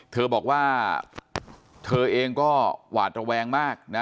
เธอบอกว่าเธอเองก็หวาดระแวงมากนะ